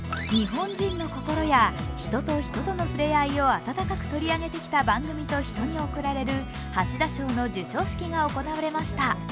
日本人の心や人と人との触れ合いを温かく取り上げてきた番組と人に贈られる橋田賞の授賞式が行われました。